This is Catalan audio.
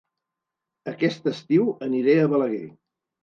Aquest estiu aniré a Balaguer